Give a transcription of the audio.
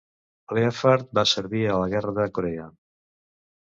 Leaphart va servir a la Guerra de Corea.